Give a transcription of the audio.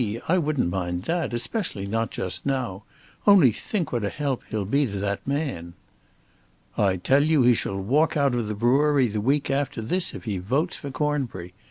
I wouldn't mind that; especially not just now. Only think what a help he'll be to that man!" "I tell you he shall walk out of the brewery the week after this, if he votes for Cornbury.